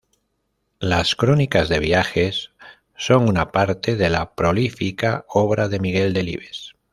Las crónicas de viajes son una parte de la prolífica obra de Miguel Delibes.